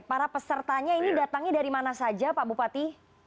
para pesertanya ini datangnya dari mana saja pak bupati